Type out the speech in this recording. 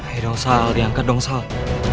hai dong sal diangkat dong sal